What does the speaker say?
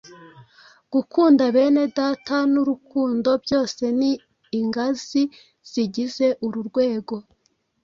gukunda bene Data n’urukundo byose ni ingazi zigize uru rwego.